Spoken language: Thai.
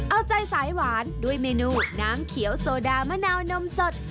เอาใจสายหวานด้วยเมนูน้ำเขียวโซดามะนาวนมสด